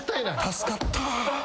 助かった。